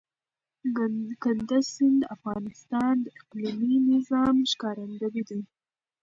کندز سیند د افغانستان د اقلیمي نظام ښکارندوی دی.